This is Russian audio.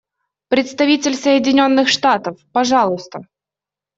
Представитель Соединенных Штатов, пожалуйста.